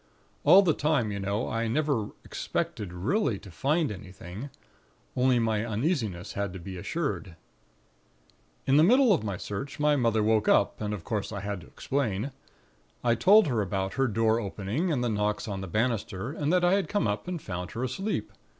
All the time, you know, I never expected really to find anything; only my uneasiness had to be assured. "In the middle of my search my mother woke up, and of course I had to explain. I told her about her door opening, and the knocks on the banister, and that I had come up and found her asleep.